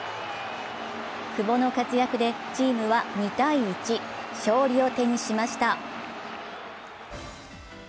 久保の活躍でチームは２−１、勝利を手にしました。